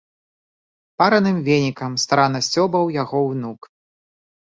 Параным венікам старанна сцёбаў яго ўнук.